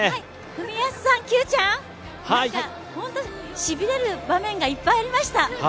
文康さん、Ｑちゃん、しびれる場面がいっぱいありました。